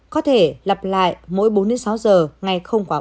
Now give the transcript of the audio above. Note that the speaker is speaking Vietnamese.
có thể lặp lại mỗi bốn sáu giờ ngay không qua bốn lần